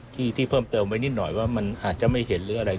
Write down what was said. ที่เพิ่มเติมไว้นิดหน่อยว่ามันอาจจะไม่เห็นหรืออะไร